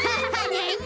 なに？